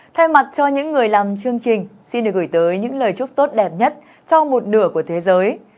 thay mặt cho những người làm chương trình xin được gửi tới những lời chúc tốt đẹp nhất cho một nửa của thế giới